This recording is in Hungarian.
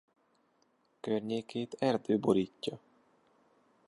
Környékét erdő borítja.